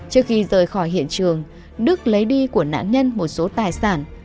trước khi rời khỏi hiện trường đức lấy đi của nạn nhân một số tài sản